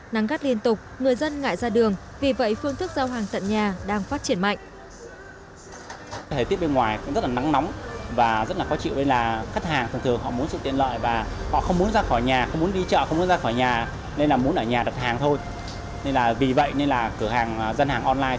nắng gắt liên tục người dân ngại ra đường vì vậy phương thức giao hàng tận nhà đang phát triển mạnh